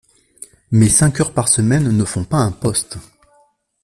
Mais cinq heures par semaine ne font pas un poste.